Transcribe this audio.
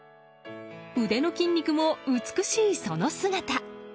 腕の筋肉も美しい、その姿。